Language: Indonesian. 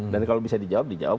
dan kalau bisa dijawab dijawab